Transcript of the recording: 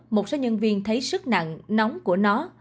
một số nhân viên thấy sức nặng nóng của nó